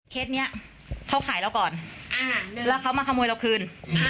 แคสเนี้ยเขาข่ายแล้วก่อนแล้วเขามาขโมยละคืน